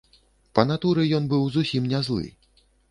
Па натуры ён быў зусім не злы.